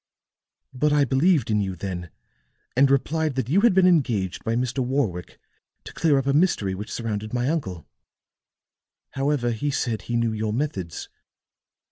"But I believed in you then, and replied that you had been engaged by Mr. Warwick to clear up a mystery which surrounded my uncle. However, he said he knew your methods.